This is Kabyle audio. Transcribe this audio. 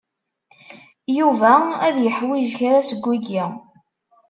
Yuba ad yeḥwij kra seg wigi.